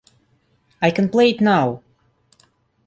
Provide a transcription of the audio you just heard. I can play it now!